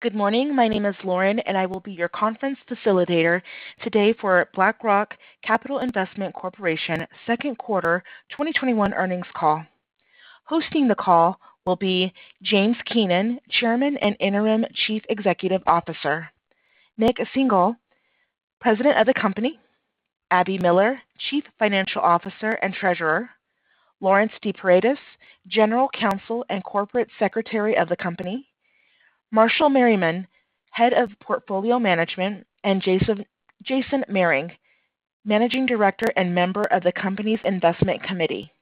Good morning. My name is Lauren, and I will be your conference facilitator today for BlackRock Capital Investment Corporation second quarter 2021 earnings call. Hosting the call will be James Keenan, Chairman and Interim Chief Executive Officer, Nik Singhal, President of the company, Abby Miller, Chief Financial Officer and Treasurer, Laurence D. Paredes, General Counsel and Corporate Secretary of the company, Marshall Merriman, Head of Portfolio Management, and Jason Mehring, Managing Director and member of the company's Investment Committee.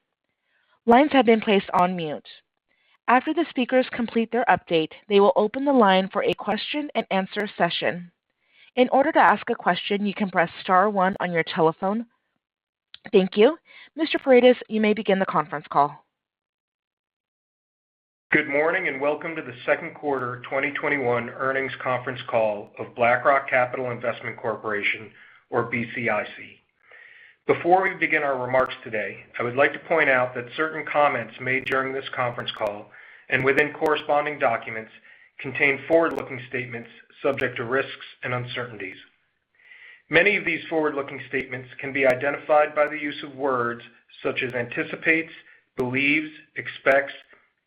Lines have been placed on mute. After the speakers complete their update, they will open the line for a question and answer session. In order to ask a question, you can press star one on your telephone. Thank you. Mr. Paredes, you may begin the conference call. Good morning and welcome to the second quarter 2021 earnings conference call of BlackRock Capital Investment Corporation or BCIC. Before we begin our remarks today, I would like to point out that certain comments made during this conference call and within corresponding documents contain forward-looking statements subject to risks and uncertainties. Many of these forward-looking statements can be identified by the use of words such as anticipates, believes, expects,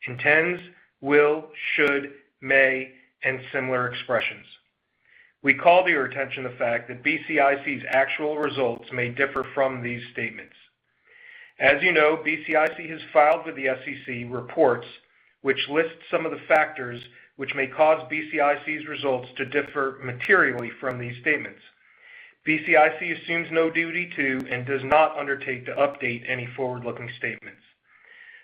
intends, will, should, may, and similar expressions. We call to your attention the fact that BCIC's actual results may differ from these statements. As you know, BCIC has filed with the SEC reports which list some of the factors which may cause BCIC's results to differ materially from these statements. BCIC assumes no duty to and does not undertake to update any forward-looking statements.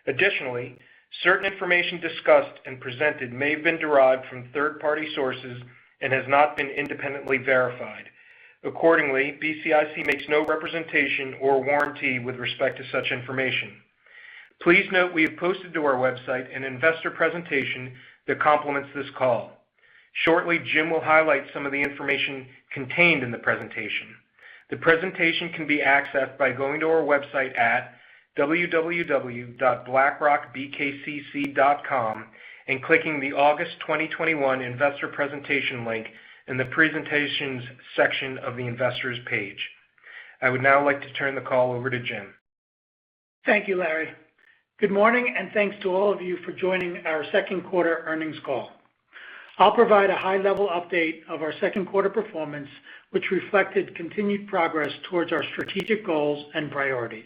Additionally, certain information discussed and presented may have been derived from third-party sources and has not been independently verified. Accordingly, BCIC makes no representation or warranty with respect to such information. Please note we have posted to our website an investor presentation that complements this call. Shortly, Jim will highlight some of the information contained in the presentation. The presentation can be accessed by going to our website at www.blackrockbkcc.com and clicking the August 2021 investor presentation link in the presentations section of the investors page. I would now like to turn the call over to Jim. Thank you, Larry. Good morning, thanks to all of you for joining our second quarter earnings call. I'll provide a high-level update of our second quarter performance which reflected continued progress towards our strategic goals and priorities.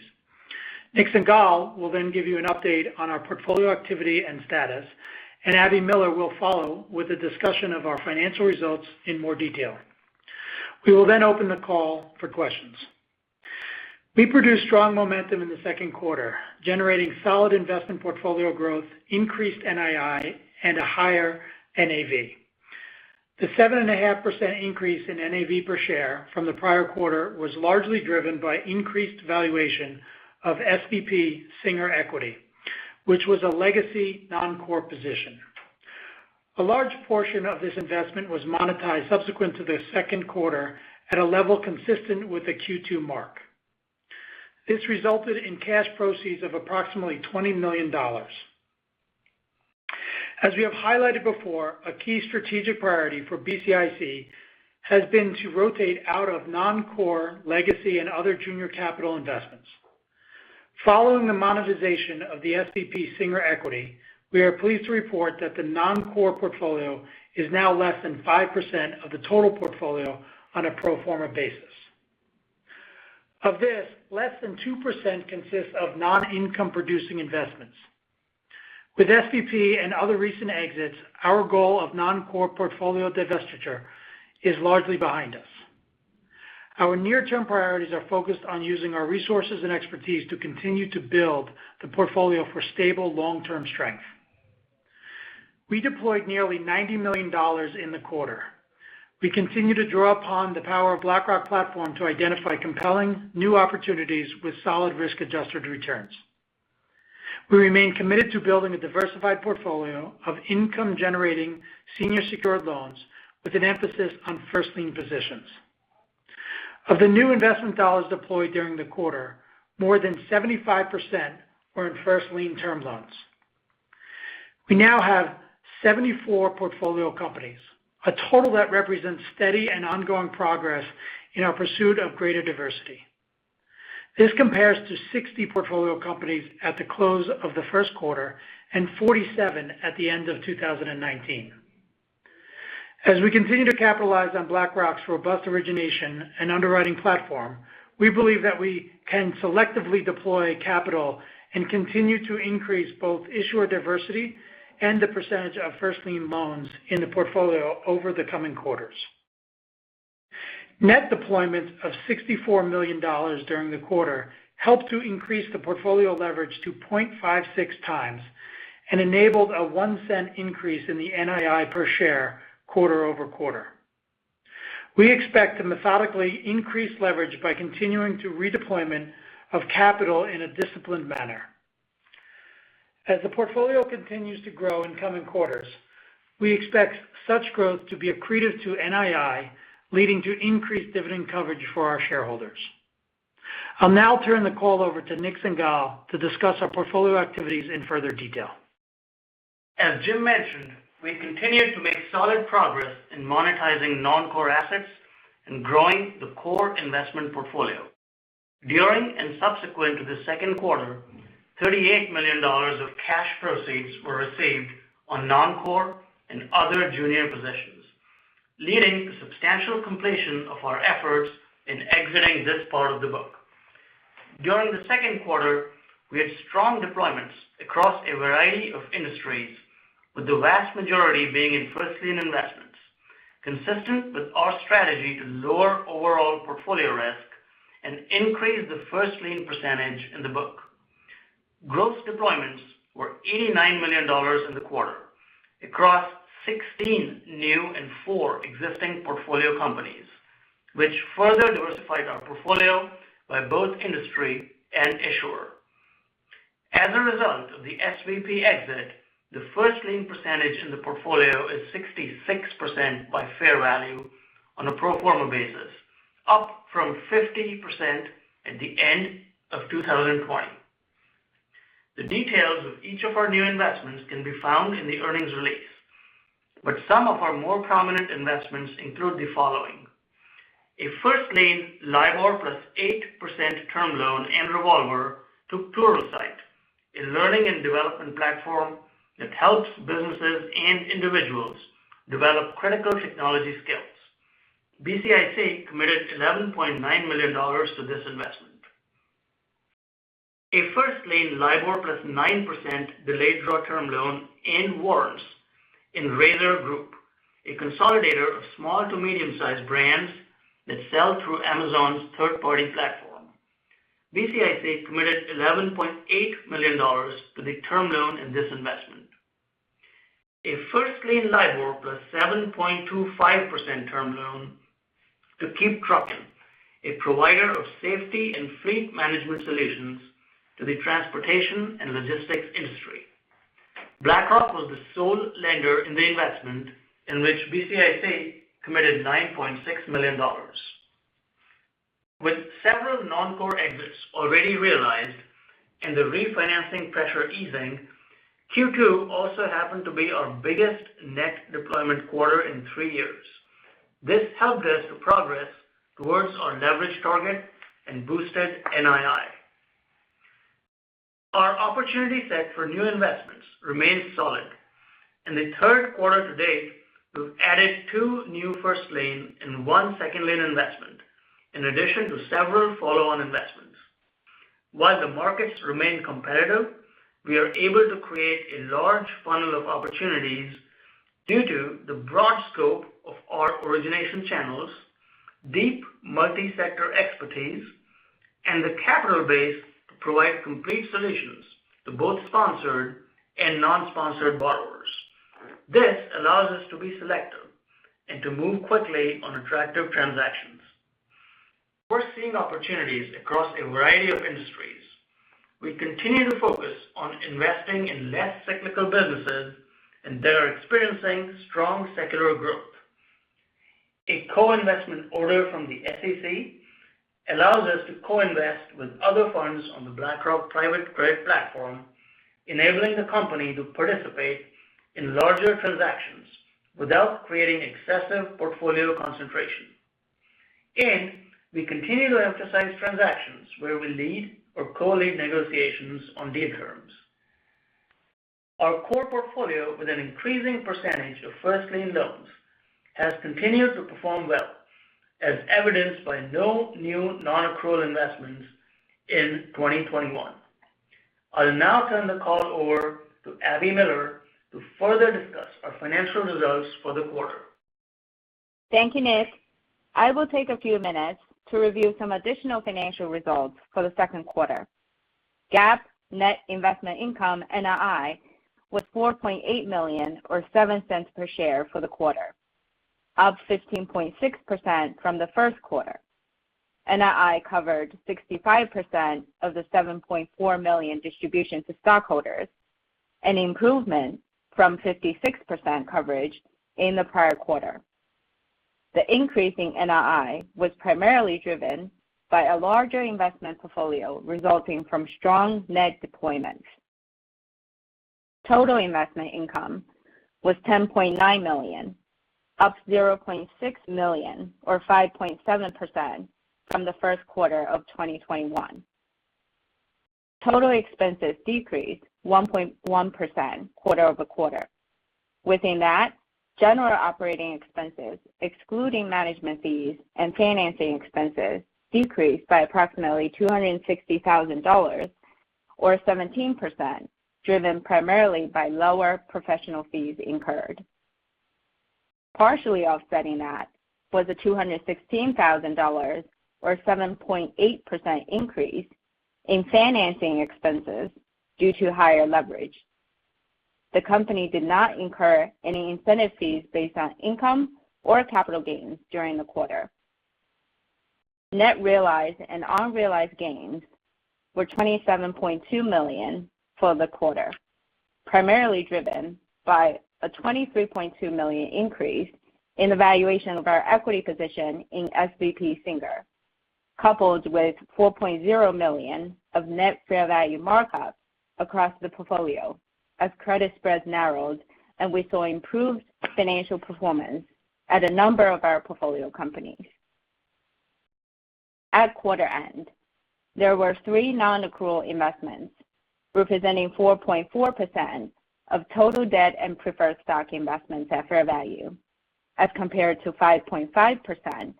Nik Singhal will then give you an update on our portfolio activity and status and Abby Miller will follow with a discussion of our financial results in more detail. We will open the call for questions. We produced strong momentum in the second quarter, generating solid investment portfolio growth, increased NII, a higher NAV. The 7.5% increase in NAV per share from the prior quarter was largely driven by increased valuation of SVP Singer Equity, which was a legacy non-core position. A large portion of this investment was monetized subsequent to the second quarter at a level consistent with the Q2 mark. This resulted in cash proceeds of approximately $20 million. As we have highlighted before, a key strategic priority for BCIC has been to rotate out of non-core legacy and other junior capital investments. Following the monetization of the SVP Singer Equity, we are pleased to report that the non-core portfolio is now less than 5% of the total portfolio on a pro forma basis. Of this, less than 2% consists of non-income producing investments. With SVP and other recent exits, our goal of non-core portfolio divestiture is largely behind us. Our near-term priorities are focused on using our resources and expertise to continue to build the portfolio for stable long-term strength. We deployed nearly $90 million in the quarter. We continue to draw upon the power of BlackRock platform to identify compelling new opportunities with solid risk-adjusted returns. We remain committed to building a diversified portfolio of income-generating senior secured loans with an emphasis on first lien positions. Of the new investment dollars deployed during the quarter, more than 75% were in first lien term loans. We now have 74 portfolio companies, a total that represents steady and ongoing progress in our pursuit of greater diversity. This compares to 60 portfolio companies at the close of the first quarter and 47 at the end of 2019. As we continue to capitalize on BlackRock's robust origination and underwriting platform, we believe that we can selectively deploy capital and continue to increase both issuer diversity and the percentage of first lien loans in the portfolio over the coming quarters. Net deployment of $64 million during the quarter helped to increase the portfolio leverage to 0.56x and enabled a $0.01 increase in the NII per share quarter-over-quarter. We expect to methodically increase leverage by continuing to redeployment of capital in a disciplined manner. As the portfolio continues to grow in coming quarters, we expect such growth to be accretive to NII, leading to increased dividend coverage for our shareholders. I'll now turn the call over to Nik Singhal to discuss our portfolio activities in further detail. As Jim mentioned, we continued to make solid progress in monetizing non-core assets and growing the core investment portfolio. During and subsequent to the second quarter, $38 million of cash proceeds were received on non-core and other junior positions, leading to substantial completion of our efforts in exiting this part of the book. During the second quarter, we had strong deployments across a variety of industries, with the vast majority being in first lien investments, consistent with our strategy to lower overall portfolio risk and increase the first lien percentage in the book. Gross deployments were $89 million in the quarter across 16 new and four existing portfolio companies, which further diversified our portfolio by both industry and issuer. As a result of the SVP exit, the first lien percentage in the portfolio is 66% by fair value on a pro forma basis, up from 50% at the end of 2020. The details of each of our new investments can be found in the earnings release, but some of our more prominent investments include the following. A first lien LIBOR plus 8% term loan and revolver to Pluralsight, a learning and development platform that helps businesses and individuals develop critical technology skills. BCIC committed $11.9 million to this investment. A first lien LIBOR plus 9% delayed draw term loan and warrants in Razor Group, a consolidator of small to medium-sized brands that sell through Amazon's third-party platform. BCIC committed $11.8 million to the term loan in this investment. A first lien LIBOR plus 7.25% term loan to KeepTruckin, a provider of safety and fleet management solutions to the transportation and logistics industry. BlackRock was the sole lender in the investment in which BCIC committed $9.6 million. With several non-core exits already realized and the refinancing pressure easing, Q2 also happened to be our biggest net deployment quarter in three years. This helped us to progress towards our leverage target and boosted NII. Our opportunity set for new investments remains solid. In the third quarter to date, we've added two new first lien and one second lien investment, in addition to several follow-on investments. While the markets remain competitive, we are able to create a large funnel of opportunities due to the broad scope of our origination channels, deep multi-sector expertise, and the capital base to provide complete solutions to both sponsored and non-sponsored borrowers. This allows us to be selective and to move quickly on attractive transactions. We're seeing opportunities across a variety of industries. We continue to focus on investing in less cyclical businesses and that are experiencing strong secular growth. A co-investment order from the SEC allows us to co-invest with other funds on the BlackRock private credit platform, enabling the company to participate in larger transactions without creating excessive portfolio concentration. We continue to emphasize transactions where we lead or co-lead negotiations on deal terms. Our core portfolio with an increasing percentage of first lien loans has continued to perform well, as evidenced by no new non-accrual investments in 2021. I'll now turn the call over to Abby Miller to further discuss our financial results for the quarter. Thank you, Nik. I will take a few minutes to review some additional financial results for the second quarter. GAAP net investment income, NII, was $4.8 million, or $0.07 per share for the quarter, up 15.6% from the first quarter. NII covered 65% of the $7.4 million distribution to stockholders, an improvement from 56% coverage in the prior quarter. The increase in NII was primarily driven by a larger investment portfolio resulting from strong net deployments. Total investment income was $10.9 million, up $0.6 million or 5.7% from the first quarter of 2021. Total expenses decreased 1.1% quarter-over-quarter. Within that, general operating expenses, excluding management fees and financing expenses, decreased by approximately $260,000, or 17%, driven primarily by lower professional fees incurred. Partially offsetting that was a $216,000, or 7.8% increase in financing expenses due to higher leverage. The company did not incur any incentive fees based on income or capital gains during the quarter. Net realized and unrealized gains were $27.2 million for the quarter, primarily driven by a $23.2 million increase in the valuation of our equity position in SVP Singer, coupled with $4.0 million of net fair value markups across the portfolio as credit spreads narrowed and we saw improved financial performance at a number of our portfolio companies. At quarter end, there were three non-accrual investments, representing 4.4% of total debt and preferred stock investments at fair value as compared to 5.5%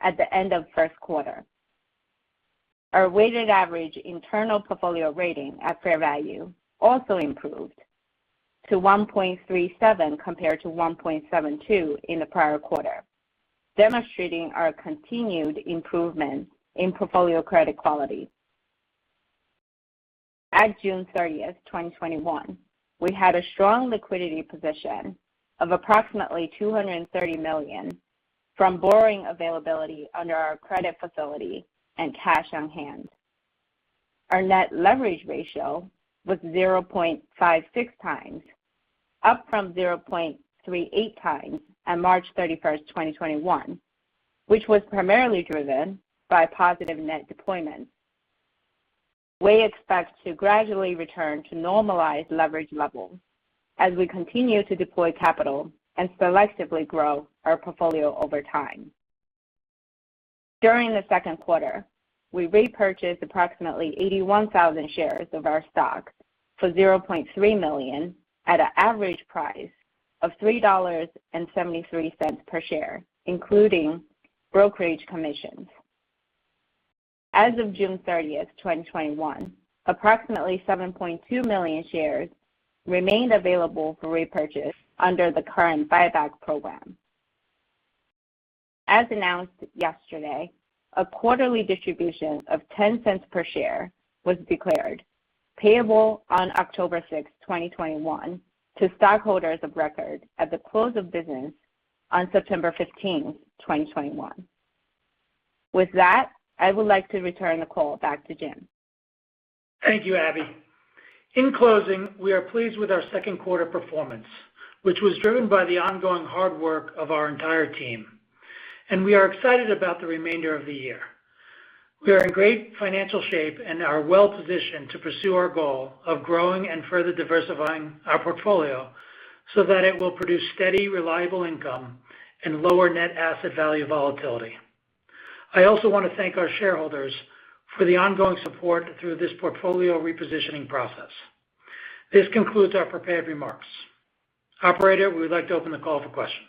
at the end of first quarter. Our weighted average internal portfolio rating at fair value also improved to 1.37%, compared to 1.72% in the prior quarter, demonstrating our continued improvement in portfolio credit quality. At June 30th, 2021, we had a strong liquidity position of approximately $230 million from borrowing availability under our credit facility and cash on hand. Our net leverage ratio was 0.56x, up from 0.38x at March 31st, 2021, which was primarily driven by positive net deployment. We expect to gradually return to normalized leverage levels as we continue to deploy capital and selectively grow our portfolio over time. During the second quarter, we repurchased approximately 81,000 shares of our stock for $0.3 million at an average price of $3.73 per share, including brokerage commissions. As of June 30th, 2021, approximately 7.2 million shares remained available for repurchase under the current buyback program. As announced yesterday, a quarterly distribution of $0.10 per share was declared payable on October 6th, 2021 to stockholders of record at the close of business on September 15th, 2021. With that, I would like to return the call back to Jim. Thank you, Abby. In closing, we are pleased with our second quarter performance, which was driven by the ongoing hard work of our entire team, and we are excited about the remainder of the year. We are in great financial shape and are well-positioned to pursue our goal of growing and further diversifying our portfolio so that it will produce steady, reliable income and lower net asset value volatility. I also want to thank our shareholders for the ongoing support through this portfolio repositioning process. This concludes our prepared remarks. Operator, we would like to open the call for questions.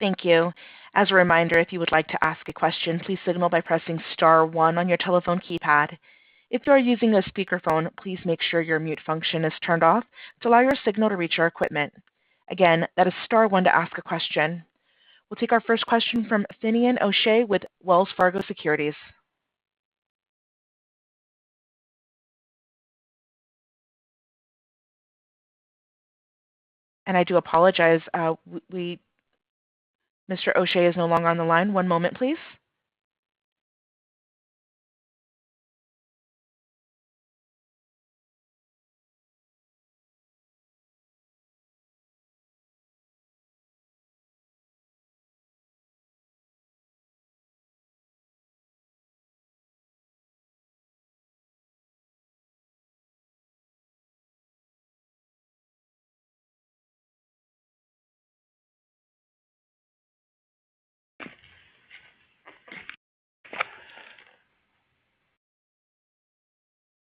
Thank you. As a reminder, if you would like to ask a question, please signal by pressing star one on your telephone keypad. If you are using a speakerphone, please make sure your mute function is turned off to allow your signal to reach our equipment. Again, that is star one to ask a question. We'll take our first question from Finian O'Shea with Wells Fargo Securities. I do apologize. Mr. O'Shea is no longer on the line. One moment, please.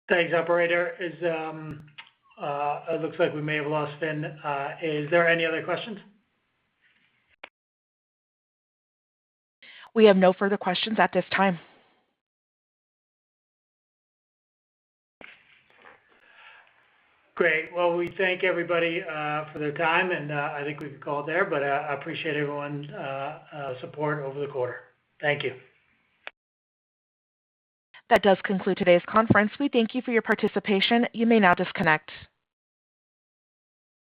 Thanks, operator. It looks like we may have lost Finn. Is there any other questions? We have no further questions at this time. Grea`t. Well, we thank everybody for their time, and I think we can call it there. I appreciate everyone's support over the quarter. Thank you. That does conclude today's conference. We thank you for your participation. You may now disconnect.